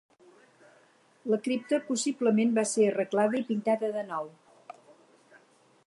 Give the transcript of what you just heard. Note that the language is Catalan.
La cripta possiblement va ser arreglada i pintada de nou.